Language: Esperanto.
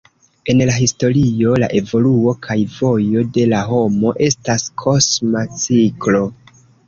En la historio la evoluo kaj vojo de la homo estas kosma ciklo.